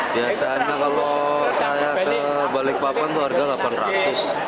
biasanya kalau saya ke balikpapan itu harga rp delapan ratus